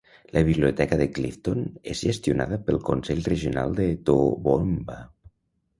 La biblioteca de Clifton és gestionada pel Consell Regional de Toowoomba.